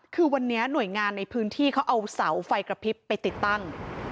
คือวันนี้หน่วยงานในพื้นที่เขาเอาเสาไฟกระพริบไปติดตั้ง